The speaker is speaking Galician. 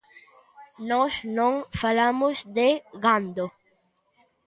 Nós non falamos de gando.